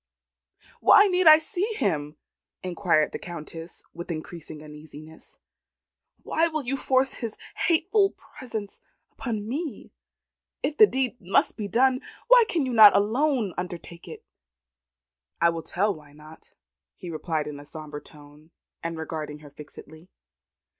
"Why need I see him?" inquired the Countess with increasing uneasiness. "Why will you force his hateful presence upon me? If the deed must be done, why can you not alone undertake it?" "I will tell why I cannot," he replied in a sombre tone, and regarding her fixedly.